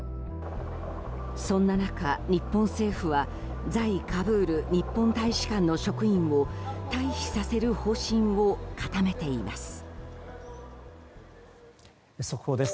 そんな中、日本政府は在カブール日本大使館の職員を退避させる方針を固めています。